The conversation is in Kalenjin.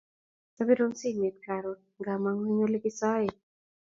Sabiruun simet karoon ngamangu eng olepikesoe